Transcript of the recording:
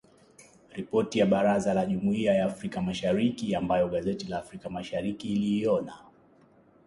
Ripoti ya Baraza la Jumuiya ya Afrika Mashariki ambayo gazeti la Afrika Mashariki iliiona.